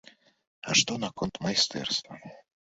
А што наконт майстэрства.